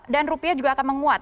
dan rupiah juga akan menguat